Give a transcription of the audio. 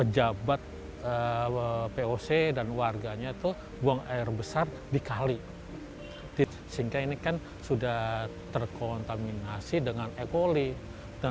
jangan lupa like share dan subscribe channel ini